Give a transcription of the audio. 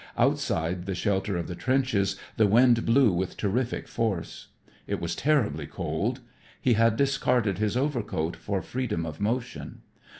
Outside the shelter of the trenches the wind blew with terrific force. It was terribly cold. He had discarded his overcoat for freedom of motion.